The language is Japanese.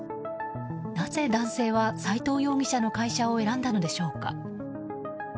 なぜ男性は斉藤容疑者の会社を選んだのでしょうか。